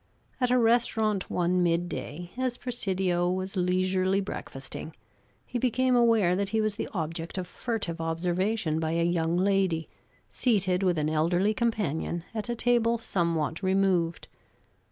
At a restaurant one midday, as Presidio was leisurely breakfasting, he became aware that he was the object of furtive observation by a young lady, seated with an elderly companion at a table somewhat removed.